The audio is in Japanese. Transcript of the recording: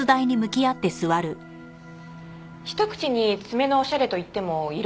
ひと口に爪のおしゃれと言ってもいろいろあります。